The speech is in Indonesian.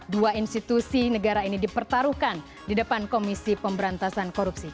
dua institusi negara ini dipertaruhkan di depan komisi pemberantasan korupsi